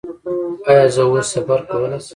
ایا زه اوس سفر کولی شم؟